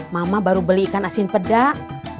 mama baru beli ikan asin pedak